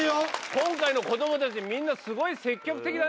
今回の子どもたちみんなスゴい積極的だね。